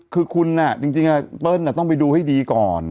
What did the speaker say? คือคุณจริงเปิ้ลต้องไปดูให้ดีก่อน